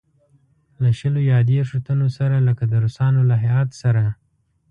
له شلو یا دېرشوتنو سره لکه د روسانو له هیات سره.